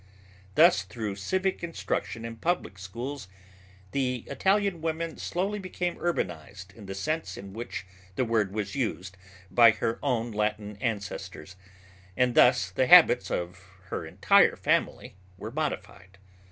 Thus through civic instruction in the public schools, the Italian woman slowly became urbanized in the sense in which the word was used by her own Latin ancestors, and thus the habits of her entire family were modified.